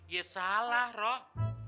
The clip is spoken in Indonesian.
ya salah rok